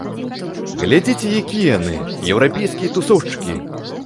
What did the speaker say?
Глядзіце, якія яны, еўрапейскія тусоўшчыкі!